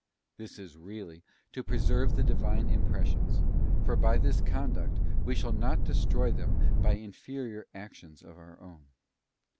This is really to preserve the Divine impressions, for by this conduct we shall not destroy them by inferior actions of our own.